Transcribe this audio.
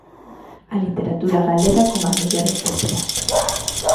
A literatura galega como a mellor etcétera.